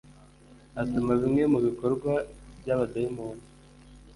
atuma bimwe mu bikorwa by abadayimoni